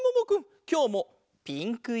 きょうもピンクいろだな。